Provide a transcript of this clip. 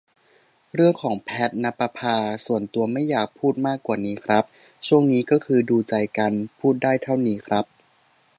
เรื่องของ แพทณปภา ส่วนตัวไม่อยากพูดมากกว่านี้ครับ ช่วงนี้ก็คือดูใจกัน พูดได้เท่านี้ครับ